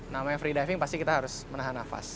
namanya free diving pasti kita harus menahan nafas